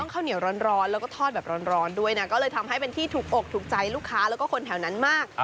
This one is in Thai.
ข้าวเหนียวร้อนแล้วก็ทอดแบบร้อนด้วยนะก็เลยทำให้เป็นที่ถูกอกถูกใจลูกค้าแล้วก็คนแถวนั้นมาก